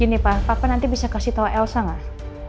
gini pa papa nanti bisa kasih tau elsa gak